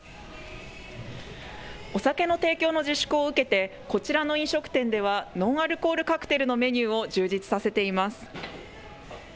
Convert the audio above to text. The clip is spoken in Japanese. お酒の提供の自粛を受けて、こちらの飲食店では、ノンアルコールカクテルのメニューを充実させています。